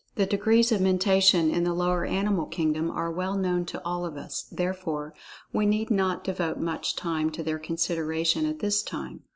The degrees of Mentation in the lower animal kingdom are well known to all of us, therefore, we need not devote much time to their consideration at this time.